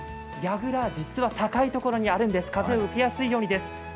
やぐら、実は高いところにあるんです、風を受けやすいようにです。